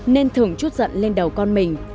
nên thường chút giận lên đầu con mình